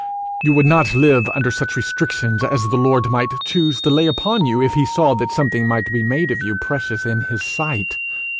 You would not live under such restrictions as the Lord might choose to lay upon you if he saw that something might be made of you precious in his sight!